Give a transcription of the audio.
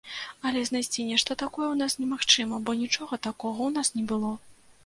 Але знайсці нешта такое ў нас немагчыма, бо нічога такога ў нас не было.